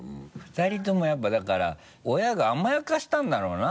２人ともやっぱだから親が甘やかしたんだろうな。